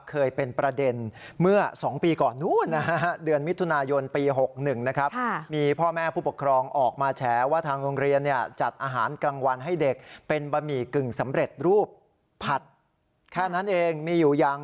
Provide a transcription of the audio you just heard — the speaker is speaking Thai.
เคยเป็นประเด็นเมื่อ๒ปีก่อนนู้น